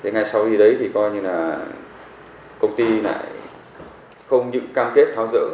ngay sau khi đấy thì coi như là công ty lại không những cam kết thao dỡ